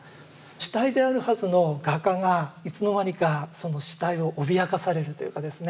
主体であるはずの画家がいつの間にかその主体を脅かされるというかですね。